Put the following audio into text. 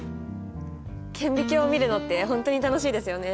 顕微鏡を見るのって本当に楽しいですよね！